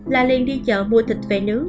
là liền đi chợ mua thịt về nướng